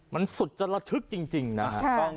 มันสุดจะระทึกจริงนะฮะ